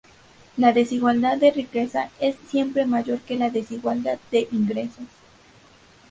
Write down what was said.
La desigualdad de riqueza es siempre mayor que la desigualdad de ingresos.